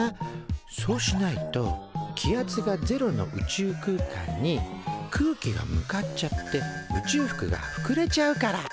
そうしないと気圧がゼロの宇宙空間に空気が向かっちゃって宇宙服がふくれちゃうから。